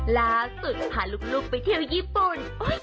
ล่าสุดพาลูกไปเที่ยวญี่ปุ่น